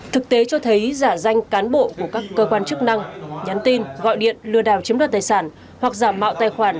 thực tế cho thấy giả danh cán bộ của các cơ quan chức năng nhắn tin gọi điện lừa đảo chiếm đoạt tài sản hoặc giả mạo tài khoản